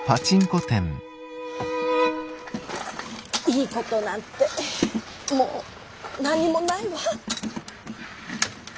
いいことなんてもう何もないわ。